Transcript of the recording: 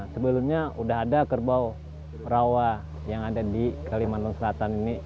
sebelumnya sudah ada kerbau rawa yang ada di kalimantan selatan ini